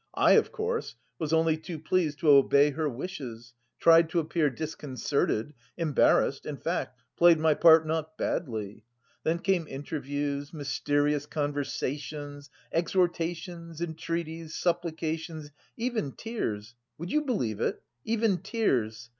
I, of course, was only too pleased to obey her wishes, tried to appear disconcerted, embarrassed, in fact played my part not badly. Then came interviews, mysterious conversations, exhortations, entreaties, supplications, even tears would you believe it, even tears?